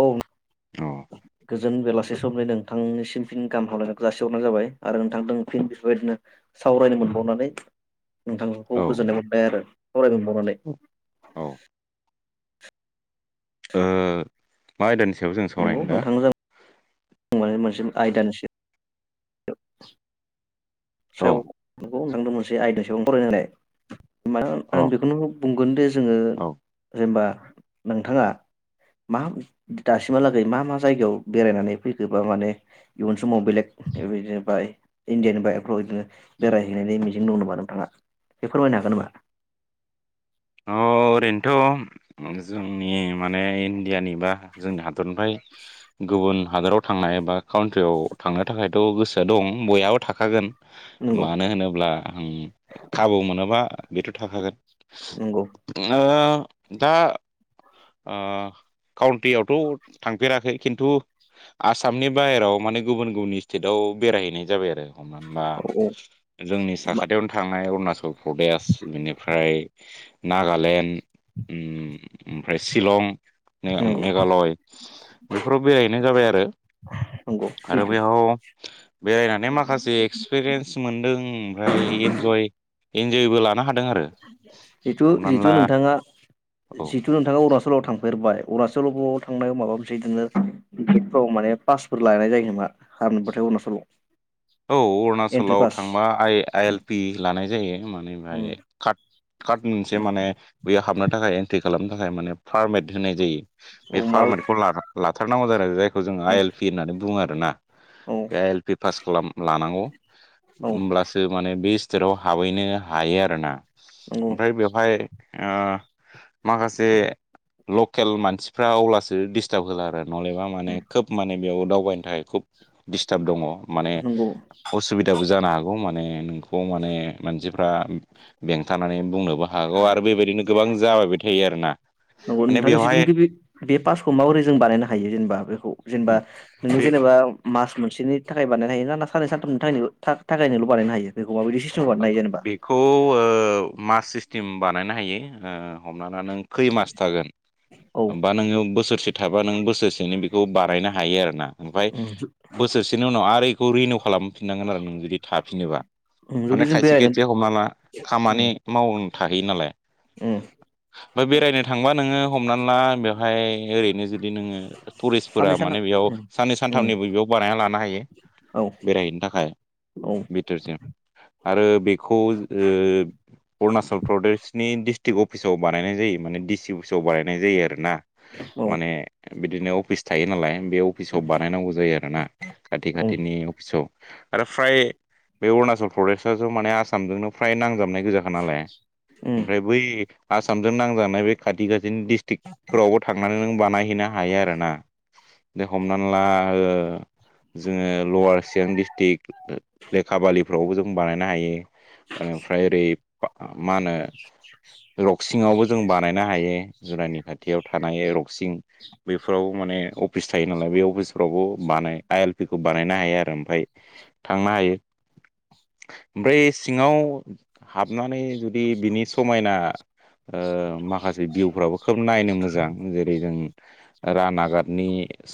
औ औ गोजोन बेलासि। समै नोंथांनिसिम फिन गाहाम हामलनायखौ जासिहरनाय जाबाय आरो नोंथां फिन बेफोरबायदिनो सावरायनो मोनबाव औ नोंथांखौ गोजोननाय मोनबाय आरो फावरायबबावनानै। औ ओ मा आयदानि सायाव जों सावरायनो दा। बुं मे मोनसे आयदानिसै औ सायाव न थांदों मोनसे आयदा सबां फरायनायाय मा आं औ बेखौनो बुंगोन दि जोंङो औ जेनेबा नोंथांङा? मा दासिमहालागै मा मा जायगायाव बेरायनानै फैखोबा माने इयुन समाव बेलेग। बेबायदिनो बाय इण्डियान बाय। बायदिनो बेरायहैनायनि मिजिं दं नामा नोंथांङा बे फोरमायनो हागोन नामा? औ। ओरैनोथ' जोंनि माने इण्डियानि बा जोंनि हादरनिफ्राय गुबुन हादराव थांनाय बा काउन्ट्रियाव थांनो थाखायथ' गोसोआ दं बयहाबो थाखागोन। नंगौ मानो होनोब्ला खाबु मोनोबा बेथ' थाखागोन। नंगौ दा काउन्टियावथ' थांफेराखै खिन्थु आसामनि बाहेरायाव माने गुबुन गुबुन स्टेटाव बेरायहैनाय जाबाय आरो। हा औ जोंनि साखाथियावनो थांनाय। अुचल प्रदेश बेनिफ्राय नागालेण्ड ओमफ्राय शिलं नंगौ मेघालय बेफोराव बेरायहैनाय जाबाय आरो नंगौ आरो जिथु बेयाव बेरायनानै माखासे एक्सपिरियेन्स मोनदों ओमफ्राय इन्जयबो लानो हादों आरो जिथु हमनानै जिथु ला नोंथांङा औ जिथु नोंथांङा अ लाव थांफेरबाय अरुणचलाव थांनायाव माबा मोनसे बिदिनो टिकेटफ्राव माने पासफोर लानाय जायो नामा आरो नुबाथाय अरुणाचलाव औ एन्ट्रि अरुणाचलाव पास थांबा आइ आइ एल पि लानाय जायो। माने [unintelligible] कारत मोनसे माने बेयाव हाबनो थाखाय एन्ट्रि खालामनो थाखाय माने पारमेट होनाय जायो बे औ मा पारमेटखौ लाथारनांगौ आरो जायखौ जों आइ एल पि होननानै बुंङो आरो [unintelligible] औ औ होमब्लासो माने बे स्टेटआव हाबहैनो हायो आरोना नंगौ ओमफ्राय बेवहाय माखासे लकेल मानसिफ्रा अब्लासो दिस्टार्ब होला आरो नलेबा माने खोब माने बेयाव दावबायनो थाखाय खुब डिस्टार्ब दङ माने नंगौ असुबिदाबो जानो हागौ नोंखौ माने मानसिफोरा बेंथानानै बुंनो बो हागौ आरो बेबायदिनो गोबां जाबायबो थायो आरो ना नंगौ नोंथां जिथु निकि बे पासखौ माबोरै जों बानायनो हायो जेनेबा बेखौ जेनेबा नों बे जेनेबा मास मोनसेनि थाखाय बानायनो हायो ना सानै सानथामनि थाखाय थाखायनोल' बानायनो हायो बे बेखौ मास सिस्टेम बानायनो हायो। हमना ला नों खै मास थागोन होमबा नों बोसोरसे थाबा नों बोसोरसेनि बेखौ बानायायनो हायो आरोना ओमफ्राय बोसोरसेनि उनाव आरो बेखौ रिनिउ खालामफिनांगोन आरो नों जुदि थफिनोबा औ जुदि माने जों खायसे खायसे बेरायनो हमना ला खामानि मावनो थाहैयो नालाय उम ओफ्राय बेरायनो थांबा नोंङो हमनानै ला बेवहाय ओरैनो जु दि नोंङो टुरिस्टफोरा साननै माने बेयाव सानथाम उम साननै उम सानथामनिबो बेयाव बारायना लानो हायो औ बेरायहैनो थाखाय औ बिथोरसिम आरो बेखौ ओ अरुणाचल प्रदेशनि डिस्ट स्टि्रिक अफिसाव बानायनाय जायो माने डिसि अफिसाव बानायनाय जायो। आरोना औ माने बिदिनो अफिस थायो नालाय बे अफिसाव बानायनांगौ जायो आरो ना खाथि औ खाथिनि अफिसाव आरो फ्राय बे अरुणाचल प्रदेश ज' माने आसामजोंनो फ्राय नांजाबनाय गोजाखा नालाय उम ओमफ्राय बै आसामजों नांजाबनाय बे खाथि खा बिदिनो डिस्ट्रिकफोरावबो थांनानै नों बानायहैनो हायो आरोना दे हमनानै ला ओ जोंङो लवार चिरां डिस्ट्रिक्ट लेखाबालिफ्रावबो जों बानायनो हायो बेनिफ्राय ओरै मा होनो रक्सिंआवबो जों बानायनो हायो जदानि खाथियाव थानाय रक्सिं बफोराव माने अफिस थायो नालाय बे अफिसफ्रावबो बानाय आइ एल पि खौ बानायनो हायो आरो ओमफफ्राय थांनो हायो ओमफ्राय सिङांव हाबनानै जुदि बिनि समायना माखासे भिउफ्राबो खोब नायनो मोजां जेरै जों रान आगादनि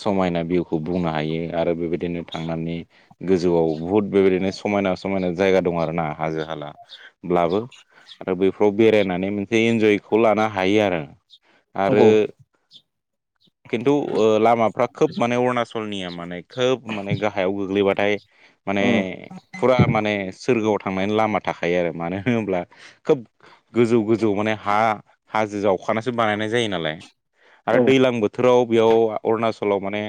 समायना भिउखौ बुंनो हायो आरो बेबायदिनो थांनानै गोजौआव बुहुत बेबायदिनो समायना समायना जायगा दं आरो ना हाजो हालाब्लाबो आरो बैफ्राव बेरायनानै मोनसे इन्जयखौ लानो हायो आरो आरो नंगौ [inaudible] खिन्थु लामाफ्रा खोब माने अरुणाचलनिया माने खोब माने गाहायाव गोग्लैबाथाय माने उम फुरा माने सोरगोआव थांनायनि लामा थाखायो आरो मानो होनोब्ला खोब गोजौ गोजौ माने हा हाजो जावखानायसो बानायनाय जायो नालाय आरो औ दैलां बोथोराव बेयाव अरुणाचलाव माने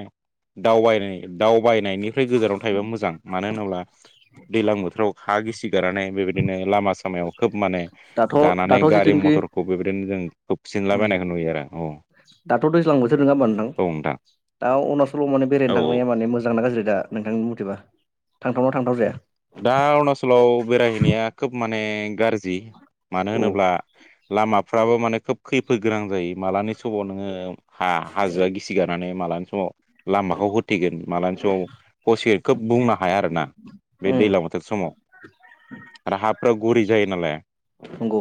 दावबाय दावबायनायनि ओमफ्राय गोजानाव थायोबा मोजां मानो होनोब्ला दैलां बोथोराव हा गिसि गारनानै बेबायदिनो लामा सामायाव खोब माने दाथ' गानानै दाथ' गारि जिथुनाखि मथरखौ बेबायदिनो जों उम खोबसिनलाबायनायखौ नुयो आरो औ। दाथ' दैजां बोथोर नङा होमा नोंथां दा अरुणचलाव माने औ बेरायनो औ थांनाय माने मोजांना गाज्रि दा नोंथांनि मथेबा थांथावनाव थांथाव जाया। दा अरुणाचलाव बेरायहैनाया खोब माने गाज्रि मानो औ होनोब्ला लामाफ्राबो माने खोब खैफोद गोनां जायो मालानि समाव नोङो ह हाजोआ गिसि गारनानै मालानि समाव लामाखौ होथिगोन मालानि समाव हसिन खोब बुंनो हाया आरोना। बे उम दैजलां बोथोर समाव आरो हाफोरााव गुरि जायो नालाय नंगौ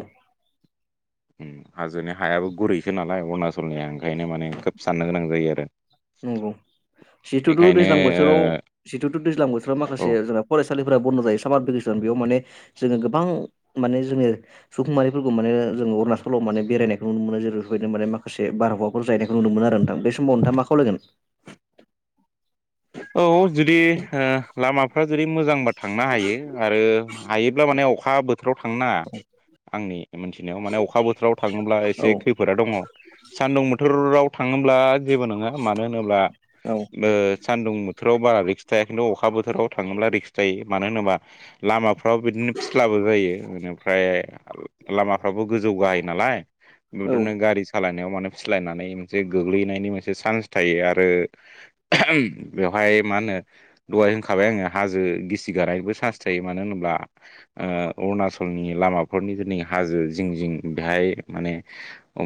[unintelligible] हाजोनि हायाबो गुरैसो नालाय अरुणाचलनिया ओंखायनो माने खोब साननो गोनां जायो आरो नंगौ जिथुथु बेनिखायनो दैज्लां बोथोराव जिथुथु दैज्लां बोथोराव माखासे ओ जों फरेस थसालिफोरा बन्द' जायो सामार भेकेसन बेयाव माने जोंङो गोबां माने जोंङोनि सुबुंमारिफोरखौ माने जोंङो अरुणचलाव माने बेरायनायखौ नुनो मोन जेर बेबायदि मान मासे बारहावाफोर जायनायखौ नुनो मोन आरो नोंथ बे समाव नोंथां मा खावलायगोन। औ जुदि लामाफ्रा जेरै मोजांबा थांनो हायो आरो हायोब्ला माने अखा बोथोराव थांनो नांङा। आंनि मोनथिनायाव माने अखा बोथोराव थांब्ला औ एसे खैफोदा दंङो सान्दुं बोथोराव थांङोब्ला जेबो नंङा मानो होनोब्ला। औ थोराव बारा रिक्स थाया किनथु अखा बोथोराव थांब्ला रिक्स थायो होनोब्ला लामाफोरा बिदिनो फिस्ला जायो बेनिफ्राय लामाफ्राबो गोजौ गाहायो नालाय औ बेदिनो गारि सालाय फलायनानै मोनसे गोग्लैनायनि मोनसे सान्स थायो आरो बेवहाय मा होनो दहाय होनखाबाय आङो हाजो गिसि गारानायबो चान्स थायो मानो होनोब्ला अरुणाचलनि लामाफोरनि दिनै हाजो जिं जिं बेहाय माने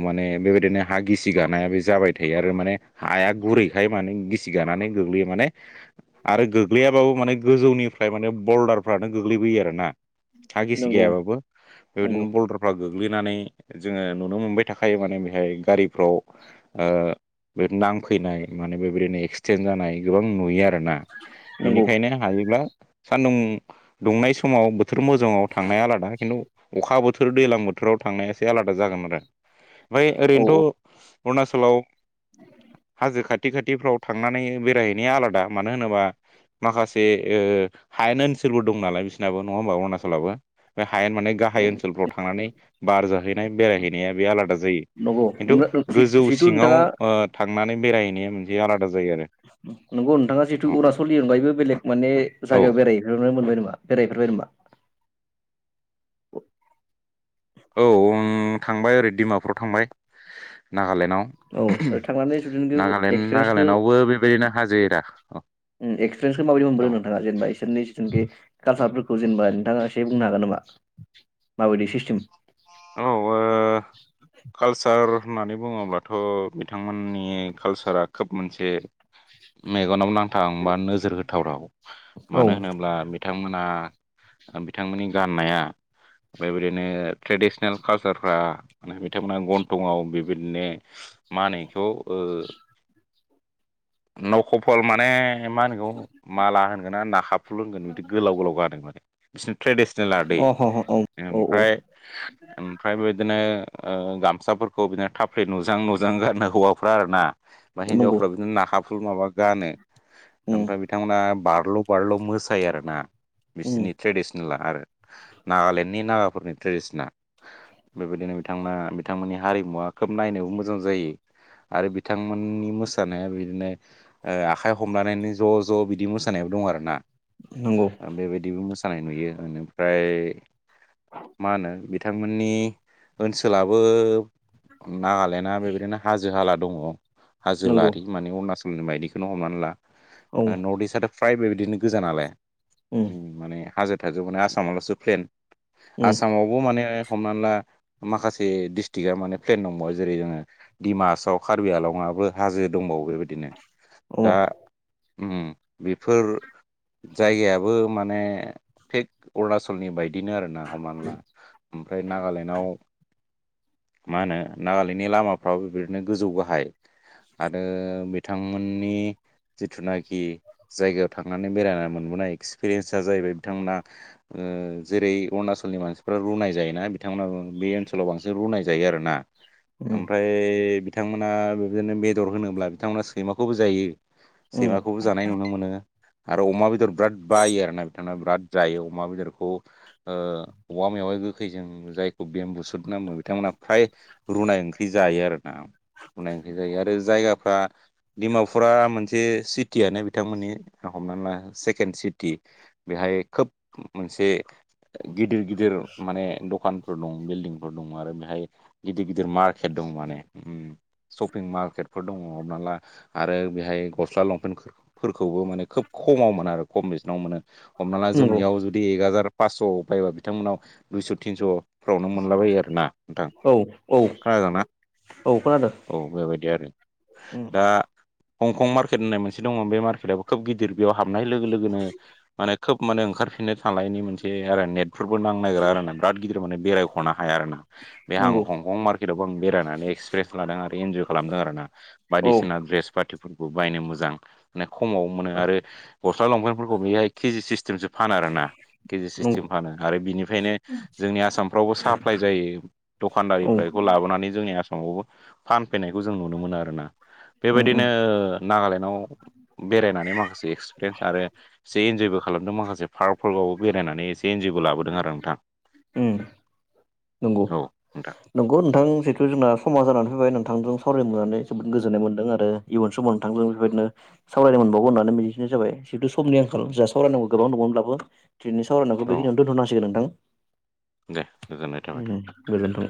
माने म बेबायदिनो हा गिसि गानाया बे जाबाय थायो आरो माने हाया गुरैखाय मान गिसि गानानै [unintelligible] माने आरो गोग्लैयाबाबो माने गोजौनिफ्राय माने बरडारफ्रानो गोग्लैबोयो आरोना हा गिसि नंगौ गाबाबो नंगौ बेबायदिनो बरडारफ्रा गो ग्लैनानै जोङो नुनो मोनबाय थाखायो माने बेहाय गारिफ्राव ओ बे नांफैनाय माने बेबायदिनो एक्सिडेन जानाय गोबां नुयो आरोना नंगौ बेनिखायनो हायोब्ला सान्दुं दुंनाय समाव बोथोर मोजाङाव थांनाया आलादा खिन्थु अखा बो थोर दैलां बोथोराव थांनाया एसे आलादा जागोन आरो बै औ ओरैनोथ' अरुणाचलाव हाजो खाथि खाथिफ्राव थांनानै बे बेरायहैनाया आलादा मानो होनोबा माखासे ओ हायेन ओनसोलबो दं नालाय बिसोरनाबो नङा ओमबा? अरुणाचलावबो बा हायेन माने गाहाय औ ओनसोलफ्राव थांनानै बार जाहैनाय बेरायहैनाया बे आलादा जायो। नंगौ खिन्थु गोजौ जिथु सिङाव नोंथाङा थांनानै बेरायहैनाया मोनसे आलादा जायो आरो नंगौ नोंथाङा जिहेतु अरुनाचलनि अनगायैबो बेलेग माने औ जायगायाव बेरायहैफेरनो मोनबाय नामा बेरायहेरबाय नामा? [inaudible] औ आं थांबाय ओरो डिमापुराव थांबाय नागालेण्ड नागालेण्डआव औ थांनानै [unintelligible] खौ एक्सपिरियेन्सखौ नागालेण्डआवबो बेबायदिनो हाजो एरा औ उम एक्सपिरियेन्सखौ माबायदि औ मोनबोदों नोंथाङा जेनेबा इसोरनि जितुखि कालसार फोरखौ जेनबा नोंथाङा एसे बुंनो हागोन नामा? माबायदि सिस्टेम औ ओ कालसार होननानै बुङोब्लाथ' बिथांमोननि कालसारा खोब मोनसे मेगनावो नांथां बा नोजोर होथावथाव अ मानो होनोब्ला बिथांमोना बिथांमोननि गाननाया ओमफ्राय बिदिनो ट्रेडिसनेल कालसारफ्रा तेमना गन्थङाव बेबायदिनो मा होनो इखौ ओ नखफल माने ए मा होनगौ माला होनगोना नाखा फुल होनगोन बिदि गोलाव गोलाव गानो माने बि ट्रेडिसनेल आदै ह ह औ औ औ ओमफ्राय ओमफ्राय बिदिनो। ओ गामसाफोरखौ बिदिनो थाफ्ले थाफ्ले नुजां नुजां गारनो हौवाफ्रा आरो ना बा नंगौ हिनजावफ्राबो बिदिनो नाखा फुल माबा गानो उम ओमफ्राय बिथांमोना बारल' बारल' मोसायो आरोना। उम बिसिनि ट्रेडिसनेला आरो नागालेण्डनि नागाफोरनि ट्रेडिसना बे बायदिनो बिथाङा बिथांमोननि हारिमुवा खोब नायनोबो मोजां जायो आरो बिथांमोननि मोसानाया बिदिनो ओ आखाइ खनानैनो ज' ज' बिदि मोसानाय दं आरोना नंगौ बेबायबो मो सानाय नुयो बेनिफ्राय मा होनो बिथांमोननि ओनसोलाबो नागालेण्डआ बेबायदिनो हाजो हाला दङ। नंगौ हाजोलारि माने अरुणाचलनि बायदिखौनो हमनानै ला औ नर्थ इस्टाथ' फ्राय बेबादिनो गोजा नालाय उम माने हाजो थाजो माने आसामाल'सो प्लेन उम आसामावबो माने हमनानै ला। माखासे दिडिस्ट्रिक्आ माने प्लेन नंबावा जेरै जोङो डिमासआव कार्बि आलङाबो हाजो दंबावो। बेबायदिनो अ दा उम बेफोर जायगायाबो माने थिग अरुणाचलनि बाय दिनो आरो ना हमानै ला ओमफ्राय नागालेण्डआव मा होनो नागालेण्डनि लामाफ्राबो बेबायदिनो गोजौ गाहाइ आरो बिथांमोननि जिथुनाखि जायगायाव थांनानै बेरायना मोनबोनाय एक्सपिरियेन्स जाहैबाय बिथांमोना। ओ जेरै अरुणाचलनि मानसिफ्रा रुनाय जायो ना बिथांमोनाबो बे ओनसोलाव बांसिन रुनाय जायो आरोना उम ओमफ्राय बिथांमोना बेबादिनो बेदर होनोब्ला बिथांमोना सैमाखौबो जायो। उम सैमाखौबो जानाय नुनो मोनो। आरो अमा बेदर बिराद बायो आरोना बिथाङा बिराद जायो अमा बेदरखौ औवा मेवाय। गोखैजों जायखौ बेम्बुसुद नो बिथांमोनहा फ्राय रुनाय ओंख्रि जायो आरो ना। बुंनाय ओंख्रि जायो आरो जायगाफ्रा डिमापुरा मोनसे सिटियनो बिथांमोननि। हमनाला सेकेणड सिटि बेहाय खोब मोनसे गिदिर गिदिर माने दखानफोर दं बिल्डिं। दं आरो बेहाय गिदिर गिदिर मार्केट दं माने शपिं मार्केटफोर दङ हमना ला आरो बेहाय गस्ला लंपेन्टफोरखौबो माने खोब खम खमाव मोनो आरो खम बेसेनाव मोनो हमना ला नंगौ जोंनियाव जुदि एक हाजार पासस' बायबा बिथांमोनाव दुइस' थिनस'फ्रावनो मोन मोनलाबायो आरोना नोंथां औ औ खोनादोंना? औ खोनादों औ बेबायदि आरो उम दा हंकं मार्केट होननाय मोनसे दङ बे मारकेटबो खोब गिदिर बेयाव हाबनाय लोगो लोगोनो माने खोब माने ओंखारफिननो थनि मोनसे आरो नेट बेफोरबो नां नागिरा आरो ना बिराद गिदिर मान बेरायखौ हाया आरो बे आं नंगौ हंकं मार्केटआवबो आं बेरायनानै एक्सपिरियेन्स लादों आरो इनजय खालामदों आरोना औ बायदिसिना देरेस पाटि फोरखौ बायनो मोजां माने खमावनो मोनो आरो गस्ला लंफेेनफोरखौ बेहाय केजि सिस्टेमसो। फानो आरोना केजि सिस्टेम नंगौ फानो आरो बिनिफ्रायनो जोंनि आसाम साप्लाय जायो औ दखद लाबोनानै जोंनि आसामाव फैनायखौ जों नुनो मोनो आरोना उम बेबायदिनो उम नागालेण्डआव बेरायनानै माखासे एक्सपिरियेन्स आरो एसे इन्जयबो खालामदों माखासे पार्क पार्कआवबो बेरायनानै एसे इन्जय। जेबो लाबोदों आरो नोंथां। [inaudible] नंगौ औ नोंथां नंगौ नोंथां जिहेथु जोंना समाज जानानै फैबाय नांगौ। नोंथांजों सावरायनोनानै जोबोद गोजोननाय मोनदों आरो इयुन समाव नोंथांजों बेबायदिनो सावरायनो मोनबावगोन होननानै मिजिं जाबाय जितु समनि आंखाल जा सावरायनांगौ गोबां दङमोनब्लाबो दिनैनि सावरायनायखौ औ बेखिनिनो दोनथनांसिगोन नोंथां दे गोजोननाय थाबाय। उम गोजोनथों